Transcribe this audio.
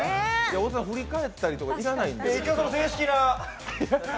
近藤さん、振り返ったりとか要らないです。